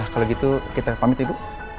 kalau gitu kita pamit ibu